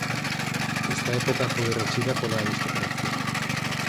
Esta época foi rexida pola aristocracia.